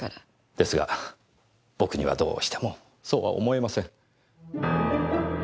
ですが僕にはどうしてもそうは思えません。